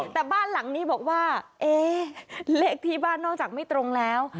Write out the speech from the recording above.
แต่บ้านหลังนี้บอกว่าเอ๊เลขที่บ้านนอกจากไม่ตรงแล้ว